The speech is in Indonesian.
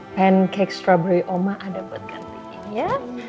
pancake strawberry oma ada buat gantinya